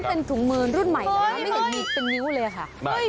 นี่เป็นถุงมือรุ่นใหม่หรือเป็นนิ้วเลยค่ะ